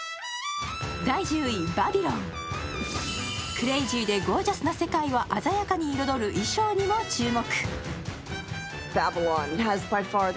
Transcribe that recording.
クレイジーでゴージャスな世界を鮮やかに彩る衣装にも注目。